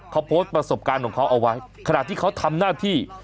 เขาโพสต์ประสบการณ์ของเขาเอาไว้ขณะที่เขาทำหน้าที่